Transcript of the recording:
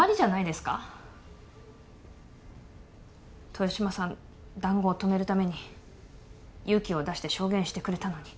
豊島さん談合を止めるために勇気を出して証言してくれたのに。